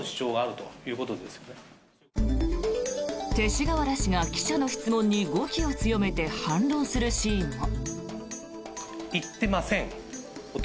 勅使河原氏が記者の質問に語気を強めて反論するシーンも。